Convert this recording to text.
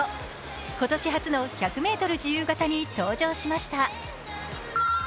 今年初の１００ｍ自由形に登場しました。